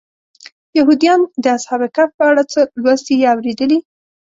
یهودیان د اصحاب کهف په اړه څه لوستي یا اورېدلي.